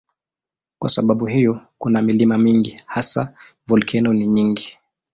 Kwa sababu hiyo kuna milima mingi, hasa volkeno ni nyingi.